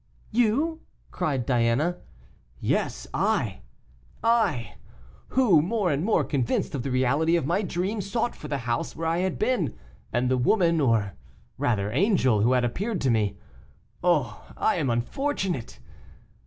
"You!" cried Diana. "Yes, I; I, who, more and more convinced of the reality of my dream, sought for the house where I had been, and the woman, or rather angel, who had appeared to me. Oh! I am unfortunate.